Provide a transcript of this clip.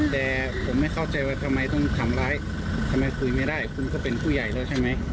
แต่ผมไม่เข้าใจว่าทำไมต้องทำร้ายทำไมคุยไม่ได้คุณก็เป็นผู้ใหญ่แล้วใช่ไหม